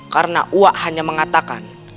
karena uak hanya mengatakan